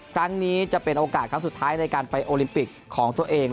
ครั้งนี้จะเป็นโอกาสครั้งสุดท้ายในการไปโอลิมปิกของตัวเอง